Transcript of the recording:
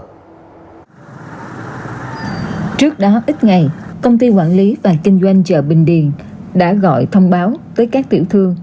trước đó ít ngày công ty quản lý và kinh doanh chợ bình điền đã gọi thông báo tới các tiểu thương